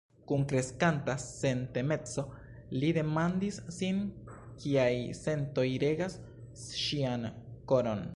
Kun kreskanta sentemeco li demandis sin, kiaj sentoj regas ŝian koron.